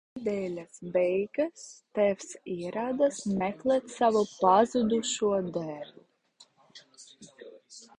Nedēļas beigās tēvs ieradās meklēt savu pazudušo dēlu.